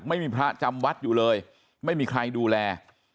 ไม่มีพระจำวัดอยู่เลยไม่มีใครดูแล